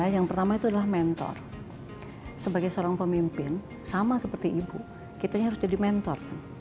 yang pertama itu adalah mentor sebagai seorang pemimpin sama seperti ibu kita harus jadi mentor